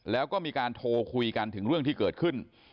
แล้วก็มีการโทรคุยกันถึงเรื่องที่เกิดขึ้น